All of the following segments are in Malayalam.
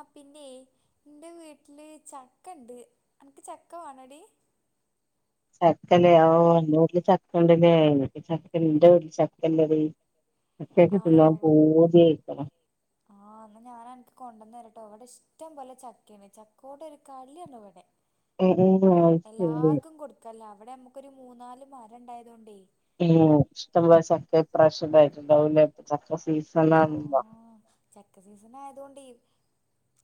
ആ പിന്നെ എന്റെ വീട്ടില് ചക്കണ്ട് അനക്ക് ചക്ക വെണോടി. ചക്കല്ലേ ഓ അന്റെ വീട്ടില് ചക്ക ഉണ്ടല്ലേ എനിക്ക് ചക്ക എന്റെ വീട്ടില് ചക്കല്ലടി. ചക്കക്കെ ആണോ തിന്നാൻ വ പുതിയായിക്കാണ്. ആഹ് ന്നാ ഞാൻ അൻക്ക് കൊണ്ടന്നരട്ടോ ഇവിടെ ഇഷ്ടം പോലെ ചക്കെണ് ചക്കോടെ ഒരു കളിയാണ് ഇവിടെ. [unintelligible] എല്ലാർക്കും കൊടുക്കലാ ഇവിടെ നമ്മുക്കൊരു മൂന്നാല് മരം ഉണ്ടായതു കൊണ്ടേ. ഉ ഇഷ്ടം പോലെ ചക്ക ഈ പ്രാവശ്യം ഉണ്ടായിട്ടുണ്ടാവുല്ലേ ചക്ക സീസണാണല്ലോ. ആഹ് ചക്ക സീസൺ ആയതു കൊണ്ടി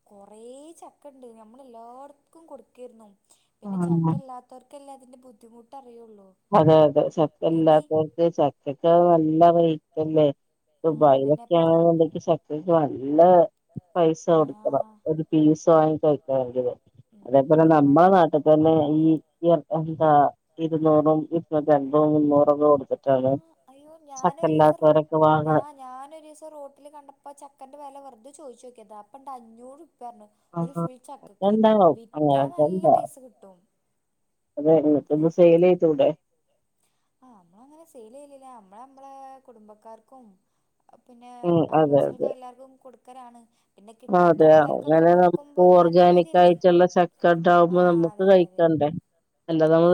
കൊറേ ചക്കണ്ട് ഞമ്മളെല്ലാർക്കും കൊട്ക്കെര്ന്നു പിന്നെ ആഹ് ചക്കല്ലാത്തോർക്കല്ലേ അതിന്റെബുദ്ധിമുട്ടറിയൊള്ളൂ അതെഅതെ ചക്കല്ലാത്തോർക്ക് ചക്കക്ക്നല്ലറൈറ്റല്ലേ? ആഹ് അതന്നെ പൊറ ദുബൈലൊക്കെണ്ന്ന്ണ്ടെങ്കി ചക്കക്ക് നല്ല പൈസകൊട്ക്കണം ആഹ് ഒര് പീസ് വാങ്ങിക്കഴിക്കണെങ്കില് ഉം നമ്മൾ അതേപോലെനമ്മളെനാട്ട്ത്തതന്നെ ഈ ഇയർഎന്താ ആഹ് [unintelligible] ഞാനൊരിസ്സം റോട്ടില്കണ്ടപ്പ ചക്കന്റെ വെലവെറ്തെ ചോയ്ച്ചോക്കിയതാ അപ്പണ്ട്അഞ്ഞൂറ്പ്യാറ്ണ് ആ ഒര് ഫുൾചക്കക്ക് ഉണ്ടാവും വിറ്റാ അങ്ങനൊക്കെ ഉണ്ടാവും നല്ലപൈസകിട്ടും അതെ ഇങ്ങക്ക്ന്നാ സെയിലെയ്തൂടെ ആഹ് അമ്മളങ്ങനെ സെയിലെയ്ലില്ലാ അമ്മളമ്മളേ കുടുംബക്കാർക്കും പിന്നെ ഉം അതെ അതെ അയൽവാസിയാൾക്കെല്ലാർക്കും കൊട്ക്കലാണ് അതെ അങ്ങനെനമുക്ക് ഒരു നല്ല കാര്യല്ലേ ഓർഗാനികായ്റ്റ്ള്ള ആ ചക്കണ്ടാവ്മ്പോ അതെ അതെ നമ്മുക്ക്കഴി അതെ ക്കണ്ടേ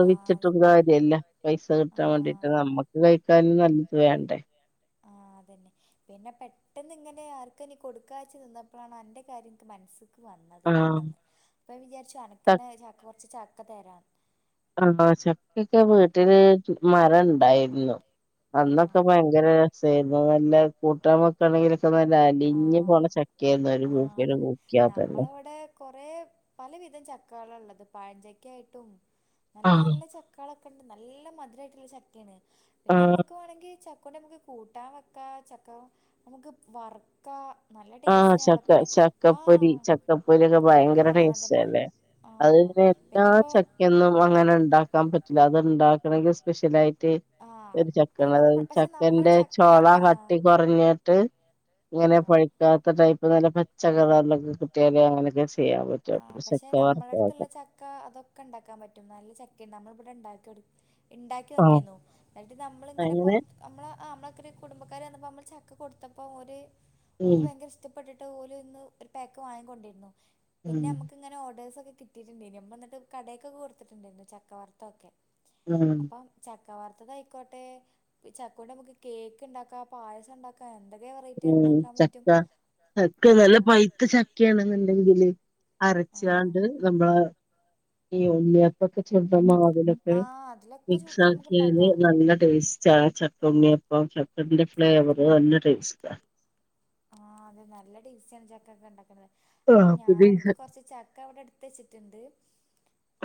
ആ അതെ വിറ്റ്ട്ടുംകാര്യല്ല പൈസകി ആ ക്കിട്ടാൻവേണ്ടിട്ട് നമ്മുക്ക്കഴിക്കാനും നല്ല്ത് വേണ്ടേ? ആഹ് അതന്നെ പിന്നെപെട്ടെന്ന്ങ്ങനെആർക്കനി കൊട്ക്കാച്ച്നിന്നപ്പളാണ് അൻ്റെകാര്യം ൻക്ക്മൻസ്സ് ക്ക് ആഹ് വന്നത്പെട്ടെന്ന് അപ്പഞാവിചാര്ച്ചു ച അനക്കന്നെ ചക്ക കൊറെച്ച് ചക്കതരാന്ന് ആണോ ചക്കൊക്കെവീട്ട്ല് മരം ഇണ്ടായ്ര്ന്നു അന്നൊക്കെ ഭയങ്കര രസെയ്ര്ന്നു നല്ല കൂട്ടാൻവെക്കണെങ്കില്ക്കെനല്ല അലിഞ്ഞ്പോണചക്കെയ്ര്ന്നു ഒരു ക്കൂക്കല് കൂക്കിയാത്തന്നെ കൊറേ പലവിധംചക്കളാള്ളത് പഴഞ്ചക്കെയ്ട്ടും ആഹ് നല്ലനല്ലച ക്കാളക്കണ്ട് നല്ലമധുരയ്ട്ട്ള്ള ചക്കെണ് ആഹ് പിന്നെമ്മക്ക് വാണങ്കി ചക്കോണ്ടമ്മക്ക് കൂട്ടാംവെക്കാചക്ക നമ്മുക്ക് വറ് ക്കാം ആഹ് ചക്ക നല്ലടേസ്റ്റാണല്ലോപിന്നെ ചക്കപ്പൊരി പാഹ് ചക്കപ്പൊരിയൊക്കെ ഭയങ്കര ആഹ്അതന്നെ ടേസ്റ്റല്ലേ ആഹ് പിന്നെപ്പോ എന്നുംഅങ്ങനെണ്ടാക്കാൻപറ്റ്ല്ല അത്ണ്ടാക്കണെങ്കി സ്പെഷ്യലായ്റ്റ് ആഹ് അത് നമ്മ [unintelligible] പക്ഷെ നമ്മളെ ചക്കന്റെ ചക്ക ആഹ് ചൊളകട്ടി കൊറെഞ്ഞ്ട്ട് ഇങ്ങനെ പഴ്ക്കാത്തടൈപ്പ് നല്ല പച്ചകളർലൊക്കെകിട്ടിയാലെ അങ്ങനൊക്കെചെയ്യാൻപറ്റൊ- [unintelligible] ക്കാ അതൊക്കെണ്ടാക്കാൻപറ്റും നല്ലചക്കെണ് നമ്മള്ബ്ടെണ്ടാക്കിയെട് ഇണ്ടാക്കിയൊക്കീനു അങ്ങനെ ന്നട്ട്നമ്മള്ങ്ങനെപൊറ്ത്ത് അമ്മളെ അമ്മളളെക്കെര് കുടുംബക്കാര് വന്നപ്പോ അമ്മള്ചക്കകൊട്ത്തപ്പോ ഓര് ഉം ഓക്ക്ഭയങ്കരഇഷ് റ്റ്പ്പെട്ട്ട്ട് ഓല്ഇന്ന് ഒര്പേക്ക് വാങ്ങിക്കൊണ്ടെയ്ര്ന്നു ഉം പിന്നെഅമ്മ്ക്ക്ങ്ങനെ ഓർഡേഴ്സൊക്കെ കി ട്ടിട്ട്ണ്ടെയ്നു ഇമ്മന്ന്ട്ട് കടേക്കൊക്കെകൊട്ത്ത്ട്ട്ണ്ടായ്ര്ന്നു ചക്കവർത്തൊക്കെ ഉം അപ്പ ചക്കവാർത്തതയിക്കോട്ടെ ചക്കോണ്ടമ്മക്ക് കേക്ക്ണ്ടാക്കാം, പായസംണ്ടാക്ക പ്പേന്തെക്കപറ ഉം ചക്ക ചക്കനല്ലപൈത്തചക്കയേണ് ങ്കില് അരച്ചാണ്ട് നമ്മള ഈഉണ്ണിയൊ പ്പക്കെ ചുട്ടമാവില് അതിലൊക്കെ ആഹ് അതിലൊക്കെ ചൂട്ട് നമുക്ക് മിക്സാക്കിയാല് ഉണ്ടാക്കാം നല്ലടേസ്റ്റ് ആഹ്ച ഉണ്ണിയപ്പം ചക്കന്റെഫ്ലെവറ് നല്ല ടെസ്റ്റാ ആഹ് അത് നല്ലടെസ്റ്റാണ് ചക്കക്കെണ്ടാക്ക്ണ് ആഹ് പിന്നെ ഈ അപ്പൊഞാനൻക്ക് കൊറ്ച്ച്ചക്കഅവ്ടെട് ത്തെച്ച്ട്ട്ണ്ട്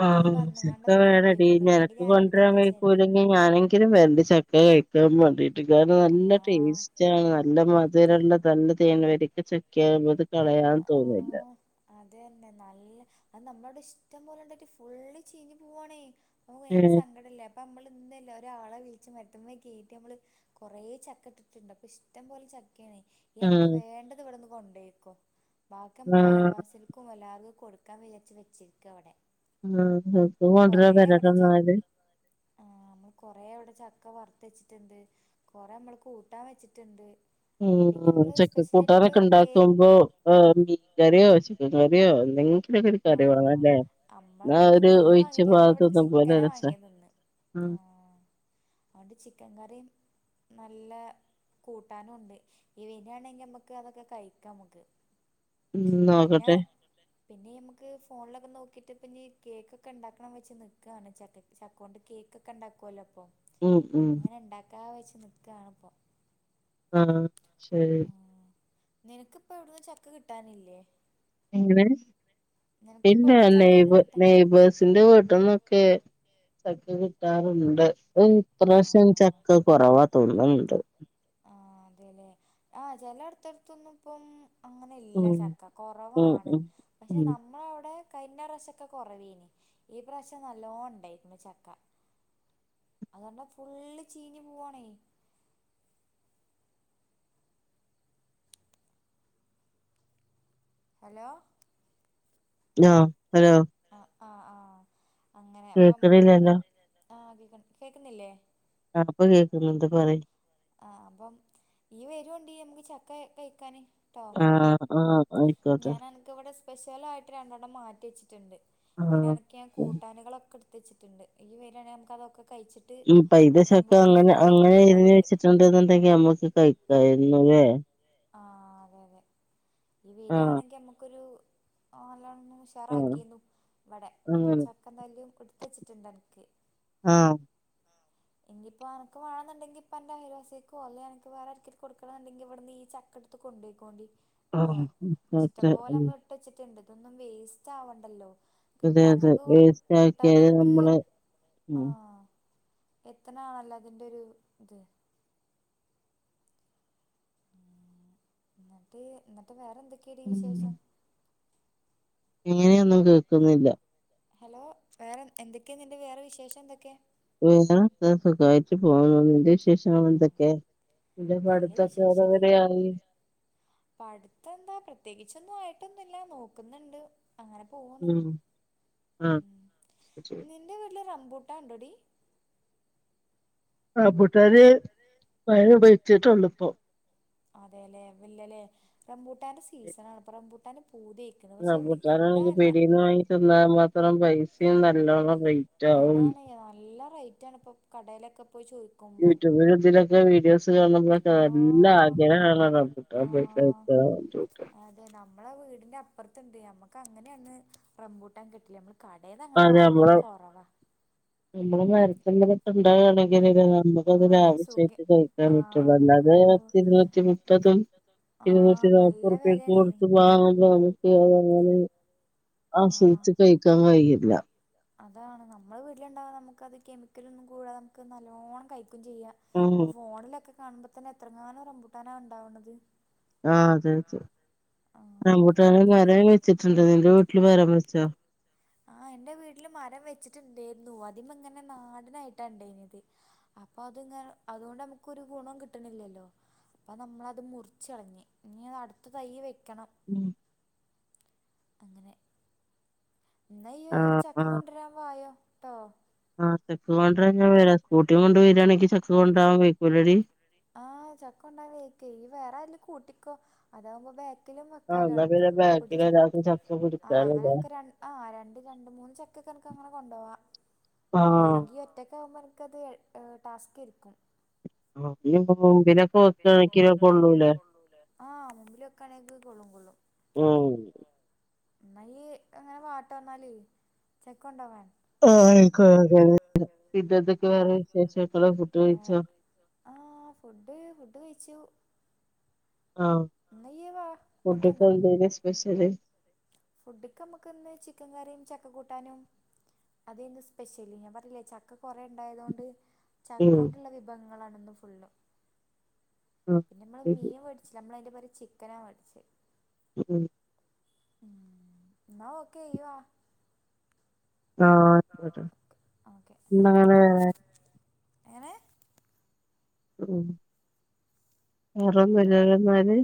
അപ്പൊ ഈ വന്നുകാണ്ട് ശ്രദ്ധ വേറെ എടി ഇല്ലെങ്കി നിനക്ക് ഞാൻ കൊണ്ട് അവിടക്ക് വേരാൻ എത്തിച്ചരണ്ട് കഴിയൂല്ലെങ്കിൽ ഞാനെങ്കിലും വര [unintelligible] ണ്ട് ചട്ട് ക്കകഴിക്കാൻ മഡി [unintelligible] റ്റ് കാരണം നല്ല ആഹ് ടേസ്റ്റാ നല്ല മധുരവുള്ള നല്ല തേൻവരിക്ക ചക്കയാവുമ്പോ അത് കളയാൻ തോന്നുല്ല അത് തന്നെ നല്ല അത് നമ്മടെ അവിടെ ഇഷ്ടം പോലെ ഇണ്ടായ്ട്ട് ഫുള്ള് ചീഞ്ഞ് പോവാണേ അപ്പൊ ഭയങ്കര ഏഹ് സങ്കടല്ലേ അപ്പൊ നമ്മള് ഇന്ന് ഒരാളെ വിളിച്ച് മരത്തുമ്മെ കേറ്റി നമ്മള് കൊറേ ചക്ക തിന്നപ്പോ അപ്പൊ ഇഷ്ട്ടം പൊലെ ചക്കയാണേ എനക്ക് ആഹ് വേണ്ടത് ഇവ്ട്ന്ന് കൊണ്ടേയ്ക്കോ ബാക്കി നമ്മക്ക്‌ ആഹ് അയൽവാസി ക്കും എല്ലാർക്ക് കൊടുക്കാൻ വിചാച്ച് വച്ചേക്കുവാ അവിടെ ഉം ഉം നിങ്ങള് രണ്ടു പേരും ച വരാത്തോണ്ട് [unintelligible] ആഹ് നമ്മള് കൊറേ അവിടെ ചക്ക വറുത്ത് വെച്ചിട്ടുണ്ട് കൊറെ നമ്മള് കൂട്ടാൻ വെച്ചിട്ടുണ്ട് പിന്നെ ഉം നമ്മള് ഉച്ചക്ക് സ്പെഷ്യലായിട്ട് ഇപ്പോ കൂട്ടാനൊക്കെ കേ ഉണ്ടാക്കും ഇപ്പൊ ആ മീന് കറിയോ ചിക്കൻ കറിയോ എന്തെങ്കിലും വെക്കും [unintelligible] ആഹ് അമ്മ അന്നാ ഇവിടുന്ന് ഒരു മീൻ ഒഴിച്ച വാങ്ങിട്ടില്ല നമ്മള് ഇവിടെ ഭാഗത്തൊന്നും പോലെ ചിക്കനാ രസ വാങ്ങിയത് ഇന്ന് ഉം ആഹ് അതുകൊണ്ട് ചിക്കൻ കറിയും- നല്ല കൂട്ടാനും ഒണ്ട് നീ വരുവാ ണെങ്കിൽ നമുക്ക് അതൊക്കെ കഴിക്കാം നമുക്ക് ഉം നോക്കട്ടെ പിന്നെ- പിന്നെ ഈ നമുക്ക് ഫോണിലൊക്കെ നോക്കിയിട്ട് ഇപ്പ ഞാൻ കേക്കൊക്കെ ഉണ്ടാക്കാന്ന് വെച്ച് നിൽക്കുവാണ് ചക്കക്ക് ചക്ക കൊണ്ട് കേക്കൊക്കെ ഉണ്ടാക്കുവല്ലോ ഇപ്പൊ- ഉം ഉം ഞാൻ ഉണ്ടാക്കാന്ന് വെച്ച് നിക്കാണ് ഇപ്പം ആഹ് ശരി നിനക്ക് ഇപ്പ എവിടുന്നും ചക്ക് കിട്ടാനില്ലേ എങ്ങനെ നിനക്കിപ്പ ഇല്ല എവിടന്ന് ചക്ക [unintelligible] [unintelligible] ഒന്നും കിട്ടാ [unintelligible] നോക്കിയേ ചക്ക കിട്ടാറുണ്ട് ഇവിടെ ഇപ്രാവശ്യം ചക്ക കൊറവാ തോന്നുന്നുണ്ട് ആ അതെല്ലേ ആ ചെല അടുത്തടുത്തൊന്നും ഇപ്പം- അങ്ങനെ ഉം ഇല്ല ചക്ക ഉം കൊറവാണ് ഉം പക്ഷെ ഉം നമ്മളെ അവിടെ- കഴിഞ്ഞ പ്രാവശ്യം ഒക്കെ കൊറവെനി ഈ പ്രാവശ്യം നല്ലോണം ഉണ്ടായിരിന്നു ചക്ക അതു കാരണം ഫുള്ള് ചീഞ്ഞു പോവണേ ഹലോ ഹലോ ഹലോ ആ ആഹ് ആഹ് അങ്ങനെ അപ്പം ഈ വെ കേക്കണില്ലല്ലോ ആ കേ കേക്കുന്നില്ലേ? ഇപ്പം കേക്കുന്നുണ്ട് പറയ് ആ അപ്പം നീ വരോണ്ടീം നമുക്ക് ചക്ക കഴിക്കാന്. ട്ടോ ആഹ് ആഹ്. ആയിക്കോട്ടെ ഞാൻ അനക്ക് ഇവിടെ സ്പെഷ്യലായിട്ട് രണ്ടണം മാറ്റി വെച്ചിട്ടുണ്ട്. പിന്നെ ആഹ് അനക്ക്- ക്ക്‌ ഞാൻ ഉം കൂട്ടാനുകളൊക്കെ എടുത്തുവച്ചിട്ടുണ്ട് നീ വരുവാണെ നമുക്ക്‌ അതൊക്കെ കഴിച്ചിട്ട്- ഉ അക്കം പഴുത്തചക്ക പോലെ അങ്ങനെ ഫ്രീ ആയിട്ട് അങ്ങനെ എഴ പോവാ [unintelligible] ഞ്ഞഞ് അനക്ക് വെച്ചിട്ടുണ്ട്ന്നുണ്ടെങ്കിൽ നമ്മുക്ക് കഴിക്കരുന്നു അല്ലേ ആഹ് അതെ അതെ നീ ആഹ് വരിയാണെങ്കിൽ നമുക്കൊരു നല്ലോ [unintelligible] ണം. ആഹ് വെറാക്കിന്നും ഇവിടെ ഞാൻ അങ്ങനെ ചക്ക നല്ലും എടുത്ത് വച്ചിട്ടുണ്ട് അനക്ക്. ആഹ് ആഹ് ഇനിയിപ്പോ അനക്ക് വേണോന്നുണ്ടെങ്കിൽ ഇപ്പ നിന്റെ അയൽവാസിക്കൊ അല്ലേ അനക്ക് വേറെ ഓരോത്തർക്ക് കൊടുക്കണുണ്ടെങ്കിൽ ഇവിടെ നീ - ചക്ക എടുത്ത് കൊണ്ടോയ്ക്കേണ്ടി കേട്ടോ ആഹ് ഇഷ്ടം പോലെ നമ്മള് - ട്ടച്ച്ട്ട്ണ്ട് ഇതൊന്നും വേസ്റ്റാവണ്ടല്ലോ. അതെ അതെ കിട്ടാത്തോർക്ക് കൊട് വേസ്റ്റ് ആക്കിയാല് കിട്ടാത്തോർക്ക് നമ്മള് ഉം ആഹ് എത്ത്ണാണല്ലോ അതിൻ്റൊര് ത്. ഉം ന്നട്ട് ന്നട്ട് വേറെന്തെക്കെ ടീ വിശേഷം? ഇങ്ങനെയൊന്നും കേക്കുന്നില്ല. ഹലോ വേറെ എന്തെക്കെ നിന്റെ വേറെ വിശേഷ ന്തെക്കെ? ഏടാ ഇങ്ങനെ സുഖായിട്ട് പോവുന്നു. നിന്റെ ആഹ് വിശേഷങ്ങളെന്തെക്കെ? നിന്റെ നല്ല പഠ്ത്തൊക്കെ എവടെ വരെയായി? പഠ്ത്തെന്താ പ്രത്യേകിച്ചൊന്ന്വായിട്ടൊന്നുല്ല നോക്ക്ന്ന്ണ്ട്. അങ്ങനെ പോവ്ണ്. ഉം ആഹ് ഉം ശരി നിന്റെ വീട്ട്ല് റംമ്പൂട്ടാൻ ഉണ്ടോടി? റംബുട്ടാന് ഞാന് വടെ വെച്ച്ട്ടൊള്ളു പ്പോ. അതെ ല്ലെ ഇല്ലല്ലേ. റംബൂട്ടാന്റെ സീസണാണ് പ്പൊ റംബൂട്ടാന് പൂത്യയ് റംബൂട്ടാനാണെങ്കി പീട്യേന്ന് വാങ്ങി തിന്നാ മാത്രം പൈസിം നല്ലോണം റൈ അതാണെ നല്ല റൈറ്റാണ് പ്പൊ കടേലൊക്കെ പോയ് ചോ യൂട്യൂബ് ല്തിലൊ [unintelligible] വീഡിയോസ് കാണുമ്പൊളൊക്കെ ആഹ് നല്ലാഗ്രഹാണ് റംബൂട്ടാന് [unintelligible] ഏഹ് നമ്മളെ വീട്ന്റപ്പർത്ത്ണ്ട് അമ്മക്കങ്ങനെന്ന് റംബൂട്ടാൻ കിട്ടല്ല് അമ്മള് കടേന്നങ്ങനെ അത് വാങ്ങല് നമ്മളെ കൊറവാ. നമ്മളെ മരത്തിമ്മെലൊക്കെ ണ്ടാവാണെങ്കില് [unintelligible] അത് നല്ലൊരു [unintelligible] സുഖം കഴിക്കാൻ ആ പറ്റൊള്ളൂ അതെ അല്ലാതെ അയ്യോ പത്തിര്ന്നൂറ്റി മുപ്പതും. ആ ഇര്ന്നൂറ്റി നല്ല നാപ്പൊർപ്പ്യ ക്ക് വെലേണേ കൊട്ത്ത് വാങ്ങലാണ്. [unintelligible] എന്നാല് ആ ആസ്വദിച്ച് കഴിക്കാൻ കയ്യും. അതാണ് നമ്മളെ വീട്ട്ല്ണ്ടായ നമക്കത് കെമിക്കലൊന്നും കൂടാതെ നമക്ക് നല്ലോണ്ണം കഴിക്കും ചെയ്യാ. ആഹ് പ്പൊ ഫോണിലൊക്കെ കാണുമ്പ തന്നെ എത്രങ്ങാനും റംമ്പൂട്ടാനാ ഇണ്ടാവ്ണത്. ആഹ് തൈ വെച്ചു. റംബൂട്ടാന് മരം റംബുട്ടാന് മരം വെച്ച്ട്ട്ണ്ട്. നിന്റെ വീട്ട്ല് മരം വെച്ചിട്ടുണ്ട് വെച്ച? ആഹ് എൻറെ വീട്ട്ല് മരം വെച്ച്ട്ട്ണ്ടേര്ന്നു അതിമ്മങ്ങനെ നാട നായിട്ടാ ഇണ്ടെയ്ന്യത്. അപ്പത്ങ്ങെ അതോണ്ടമുക്കൊരു ഗുണം കിട്ട്ണില്ലല്ലോ. പ്പ നമ്മളത് മുറിച്ചളഞ്ഞ് ഇഞ് അട്ത്ത തയ്യ് വെക്കണം. ഉം അങ്ങനെ ന്നയ്യ് ആഹ് ചക്ക ആഹ് കൊണ്ടരാൻ വായോ ട്ടോ. ആഹ് ചക്ക കൊണ്ട്രാൻ ഞാൻ വെരാ. സ്കൂട്ടിം കൊണ്ട് വരാണെങ്കി ചക്ക കൊണ്ട്രാൻ വെയ്ക്കൂലെടി. ആഹ് ചക്കൊണ്ടവാ വെയ്ക്കേയ് യ്യ് വേറാര്ലു കൂട്ടിക്കോ അതാവുമ്പോ ബാ ക്കിലും ആഹ് വെക്കാലൊ എന്നാ അമ്മക്ക് പിന്നെ ബാക്കില് പുട്ചോ ഒരാൾക്ക് ചക്ക ആഹ് പിടിക്കാലോല്ലേ അങ്ങനൻക്ക് ര ആ ഹ് രണ്ട് രണ്ട് മൂന്ന് ചെക്കൊക്കൻക്കങ്ങനെ കൊണ്ടോവാ. ആഹ് ഇല്ലെങ്കി ഒറ്റയ്ക്കാവുമ്പൻക്കത് എഹ് ടാസ്കെരിക്കും. ആഹ് ഇഞ്ഞ് പ്പൊ ഇഞ്പ്പൊ മുമ്പിലൊക്കെ വെക്കാണക്കിലൊ കൊള്ളൂലെ. ആഹ് മുമ്പില് വെക്കാണെങ്കി കൊള്ളും കൊള്ളും. ഉം ഇന്ന യ്യ് അങ്ങനെ വാട്ടൊ ന്നാല് ചക്കൊണ്ടോവാൻ. ആഹ് [unintelligible] പിന്നെന്തൊക്കെ വേറെ വിശേഷങ്ങള് ഫുഡ് കഴിച്ച? ആഹ് ഫുഡ് ഫുഡ് കഴിച്ചു. ആഹ് എന്നാ ഇയ്യ് വാ ഓക്കെ എന്നാ ഫുഡ്ക്കെന്തേനി സ്പെഷ്യല്? ഫുഡ്ക്ക് അമ്മക്ക്ന്ന് ചിക്കൻ കറിം ചക്ക കൂട്ടാനും. അതെയ്ന്നു സ്പെഷ്യല് ഞാമ്പർഞ്ഞിലേ ചക്ക കൊറേ ഇണ്ടായതോണ്ട് ഉം ചക്കോണ്ട് ഇള്ള വിഭവങ്ങളാണ് ഇന്ന് ഫുള്ളും ആഹ് പിന്നമ്മള് ശരി മീൻ വേ ട്ച്ചില നമ്മളയ്ന്റെ പകരം ചിക്കനാ മേടിച്ച്. ഉം. ന്ന ഓക്കെ ഇയ്യ് വാ. ആഹ് ആയിക്കോട്ടെ ആഹ് ഓക്കെ ഇന്നങ്ങനെ എങ്ങനെ വേറെ ഒന്നുല്ലല്ലോ എന്നാല്?